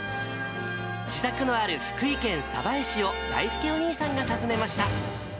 自宅のある福井県鯖江市を、だいすけお兄さんが訪ねました。